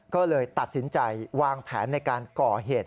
ก็เลยตัดสินใจวางแผนในการก่อเหตุ